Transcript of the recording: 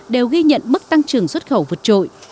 đều ghi nhận mức tăng trưởng xuất khẩu vượt trội